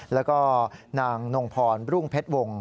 แล้วก็นางนงพรรุ่งเพชรวง